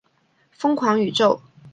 疯狂宇宙